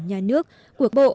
nhà nước quốc bộ